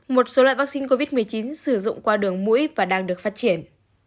một số loại vaccine covid một mươi chín sử dụng qua đường mũi và đang được phát triển